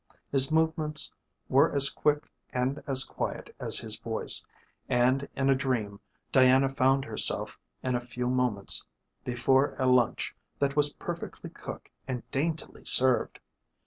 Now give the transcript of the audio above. His movements were as quick and as quiet as his voice, and in a dream Diana found herself in a few moments before a lunch that was perfectly cooked and daintily served.